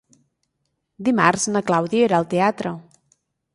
Dimarts na Clàudia irà al teatre.